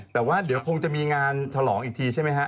แต่ว่าเดี๋ยวคงจะมีงานฉลองอีกทีใช่ไหมฮะ